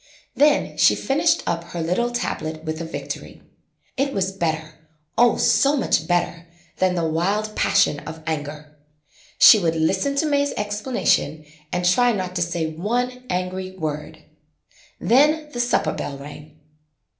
Then she finished up her little tablet with a victory. It was better, oh so much better than the wild passion of anger. She would listen to May's explanation and try '[ 22 ] AN EASTER LILY not to say one angry word. Then the supper bell rang.